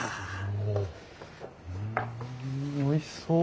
うんおいしそう。